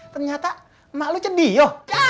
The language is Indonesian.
ternyata emak lu cediyo